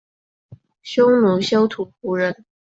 匈奴休屠胡人。